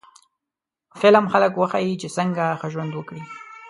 فلم خلک وښيي چې څنګه ښه ژوند وکړي